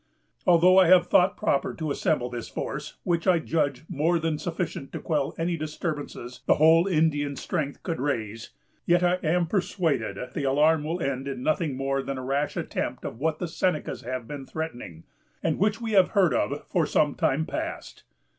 Although I have thought proper to assemble this force, which I judge more than sufficient to quell any disturbances the whole Indian strength could raise, yet I am persuaded the alarm will end in nothing more than a rash attempt of what the Senecas have been threatening, and which we have heard of for some time past.